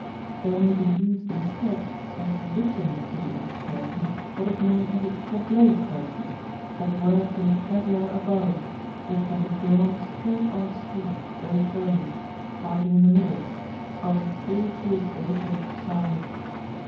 There may be used instead or in addition to the act curtain, what is known as a tableau curtain, that works in a traveler above, which can be drawn straight off stage, both ways, parting in the middle, or be pulled to a drape at each side.